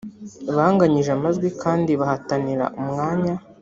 banganyije amajwi kandi bahatanira umwanya